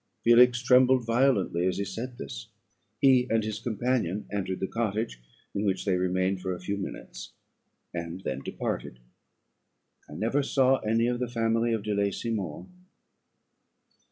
"Felix trembled violently as he said this. He and his companion entered the cottage, in which they remained for a few minutes, and then departed. I never saw any of the family of De Lacey more.